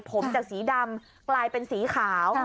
ผมจากสีดำกลายเป็นสีขาว